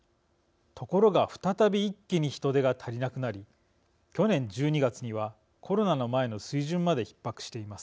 ところが、再び一気に人手が足りなくなり去年１２月には、コロナの前の水準までひっ迫しています。